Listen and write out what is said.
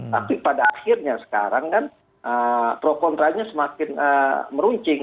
tapi pada akhirnya sekarang kan pro kontranya semakin meruncing